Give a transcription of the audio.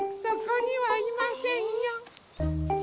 そこにはいませんよ。